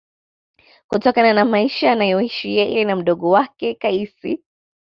Kutokana na maisha anayoishi yeye na mdogo wake Kaisi